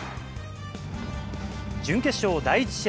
準決勝第１試合。